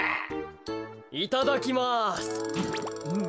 いただきます。